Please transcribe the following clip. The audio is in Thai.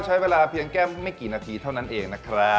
ใช้เวลาเพียงแค่ไม่กี่นาทีเท่านั้นเองนะครับ